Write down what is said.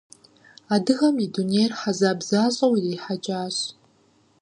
Адыгэм и дунейр хьэзаб защӀэу ирихьэкӀащ.